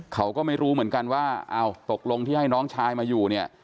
เขาก็ไม่รู้เหมือนกันว่าอ้าวตกลงที่ให้น้องชายมาอยู่เนี่ย